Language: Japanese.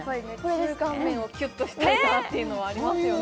中顔面をキュッとしたいかなっていうのはありますね